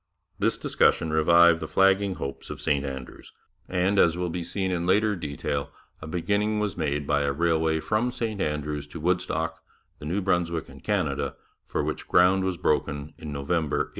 This discussion revived the flagging hopes of St Andrews, and, as will be seen in detail later, a beginning was made by a railway from St Andrews to Woodstock, the New Brunswick and Canada, for which ground was broken in November 1847.